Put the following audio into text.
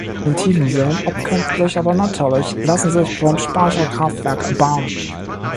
In tiefen Seen, ob künstlich oder natürlich, lassen sich Pumpspeicherkraftwerke erbauen.